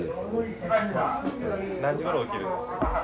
何時ごろ起きるんですか？